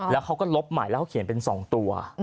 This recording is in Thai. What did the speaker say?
แล้วเขาก็ลบใหม่แล้วเขาเขียนเป็น๒ตัว